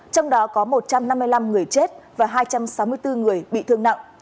trong đó có một trăm năm mươi năm người chết và hai trăm sáu mươi bốn người bị thương nặng